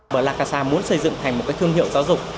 plakasa muốn xây dựng thành một cái thương hiệu giáo dục